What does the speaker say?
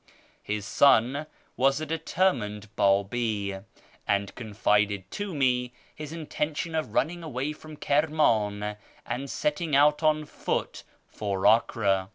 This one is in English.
His son was a determined Babi, and confided to me his intention of running away from Kirmtin and setting out alone and on foot for Acre.